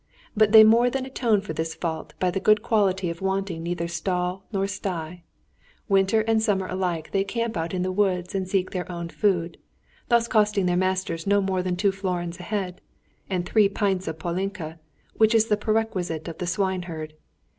But they more than atone for this fault by the good quality of wanting neither stall nor sty; winter and summer alike they camp out in the woods and seek their own food, thus costing their masters no more than two florins a head, and three pints of palinka, which is the perquisite of the swine herd.